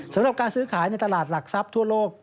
สำหรับการซื้อขายในตลาดหลักทรัพย์ทั่วโลก